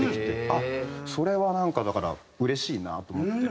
あっそれはなんかだからうれしいなと思って。